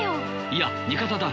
いや味方だ。